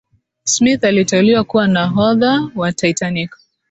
smith aliteuliwa kuwa nahodha wa titanic